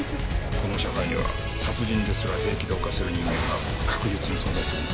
この社会には殺人ですら平気で犯せる人間が確実に存在するんだ。